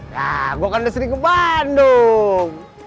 ya gue kan udah sering ke bandung